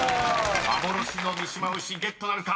［幻の見島牛ゲットなるか？］